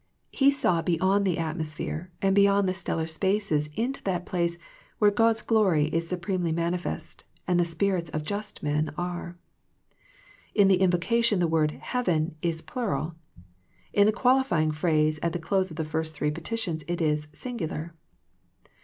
He saw beyond the atmosphere, and beyond the stellar spaces into that place where God's glory is supremely manifest and the spirits of just men are. In the invocation the word " heaven " is plural. In the qualifying phrase at the close of the first three petitions it is singular.